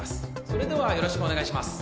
それではよろしくお願いします